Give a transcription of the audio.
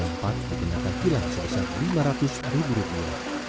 yang dikenakan kira sebesar lima ratus ribu dolar